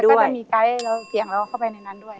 กรมก็มีกาแกะเหลขาดเข้าไปในนั้นด้วย